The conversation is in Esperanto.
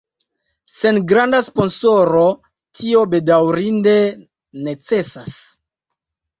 Sen granda sponsoro tio bedaŭrinde necesas.